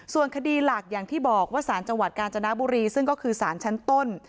ส่วนคดีหลักอย่างที่บอกว่าสารจังหวัดกาญจนบุรีซึ่งก็คือสารชั้นต้น